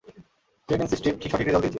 Pregnancy strip সঠিক result দিয়েছে।